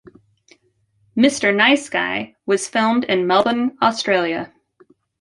"Mr. Nice Guy" was filmed in Melbourne, Australia.